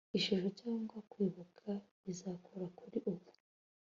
ishusho cyangwa kwibuka bizakora kuri ubu